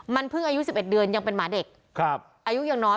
มันพึ่งอายุสิบเอ็ดเดือนยังเป็นหมาเด็กครับอายุยังน้อย